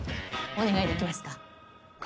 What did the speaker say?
お願いできますか？